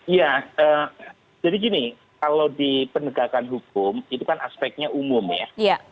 ya jadi gini kalau di penegakan hukum itu kan aspeknya umum ya